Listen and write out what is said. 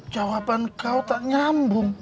jawaban kau tak nyambung